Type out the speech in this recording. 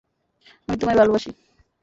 আমি তোমায় ভালোবাসি।